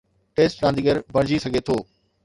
Test رانديگر بڻجي سگهي ٿو.